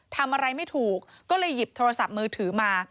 ทำอะไรไม่ถูกก็เลยหยิบโทรศัพท์มือถือมา